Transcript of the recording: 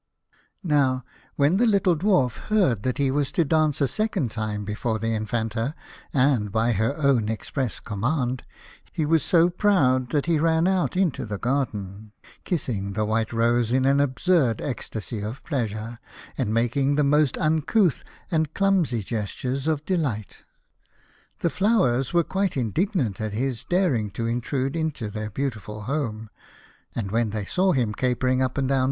Now when the little Dwarf heard that he was to dance a second time before the Infanta, and by her own express command, he was so proud that he ran out into the garden, kissing the white rose in an absurd ecstasy of pleasure, and making the most uncouth and clumsy ges tures of delight. The Flowers were quite indignant at his daring to intrude into their beautiful home, and when they saw him capering up and down 43 A House of Pomegranates.